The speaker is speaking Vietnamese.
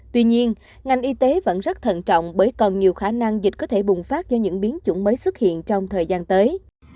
tuy nhiên ngành y tế vẫn rất thận trọng bởi còn nhiều khả năng dịch có thể bùng phát do những biến chủng mới xuất hiện trong thời gian tới